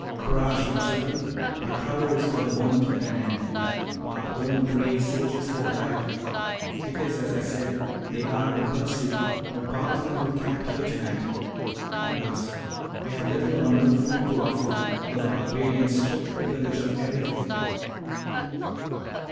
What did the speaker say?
"Courage, my children! Our trouble is for the moment at an end. Our own brave soldiers have arrived. It is as I said they are in pursuit, but part of them will camp here to night. Alas! we have little or no food to offer them, for the barbarians stripped the village of everything."